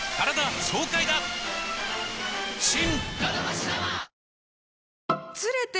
新！